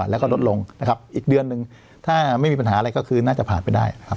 แล้วก็ลดลงนะครับอีกเดือนหนึ่งถ้าไม่มีปัญหาอะไรก็คือน่าจะผ่านไปได้ครับ